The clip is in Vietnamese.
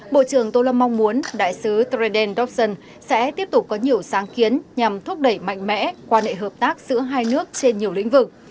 bộ trưởng tô lâm mong muốn đại sứ treden dobson sẽ tiếp tục có nhiều sáng kiến nhằm thúc đẩy mạnh mẽ quan hệ hợp tác giữa hai nước trên nhiều lĩnh vực